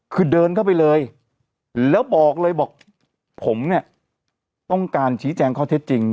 คือเดินเข้าไปเลยแล้วบอกเลยบอกผมเนี่ยต้องการชี้แจงข้อเท็จจริง